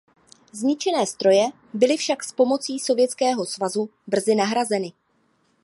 Zničené stroje byly však s pomocí Sovětského svazu brzy nahrazeny.